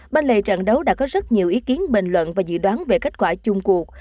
bên lề trận đấu đã có rất nhiều ý kiến bình luận và dự đoán về kết quả chung cuộc